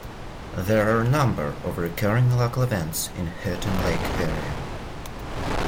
There are a number of recurring local events in the Houghton Lake Area.